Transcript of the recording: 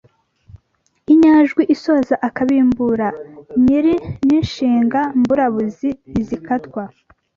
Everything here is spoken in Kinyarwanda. Inyajwi isoza akabimbura nyiri n’inshinga mburabuzi ntizikatwa